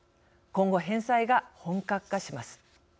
今後返済が本格化します。